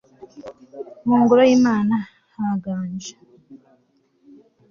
r/ mu ngoro y'imana haganje